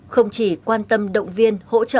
không chỉ quan tâm động viên hỗ trợ